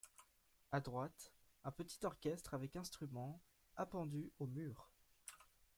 À droite, un petit orchestre avec instruments appendus au mur.